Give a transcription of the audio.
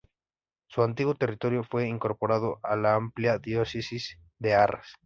Su antiguo territorio fue incorporado a la ampliada diócesis de Arras.